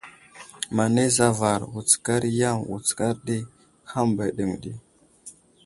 Manay zavar, wutskar i yam, wutskar ɗi, hàm ba aɗeŋw ɗi.